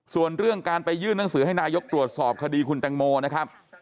ส่วนเรื่องการไปยื่นหนังสือให้นายกตรวจสอบคดีคุณแตงโมนะครับ